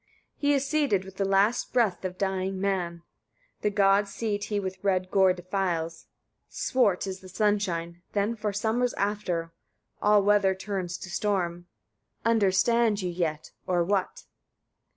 33. He is sated with the last breath of dying men; the god's seat he with red gore defiles: swart is the sunshine then for summers after; all weather turns to storm. Understand ye yet, or what?